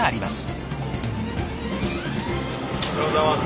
おはようございます。